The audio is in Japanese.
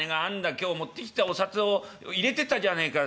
今日持ってきたお札を入れてたじゃねえかよ